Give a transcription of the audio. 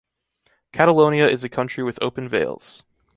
Catalonia is a country with open veils.